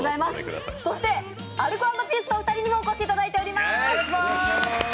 そしてアルコ＆ピースのお二人にもお越しいただいています。